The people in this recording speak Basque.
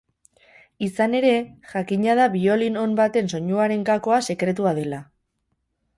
Izan ere, jakina da biolin on baten soinuaren gakoa sekretua dela.